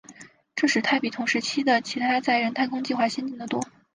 这使它比同时期其它的载人太空计划先进得多。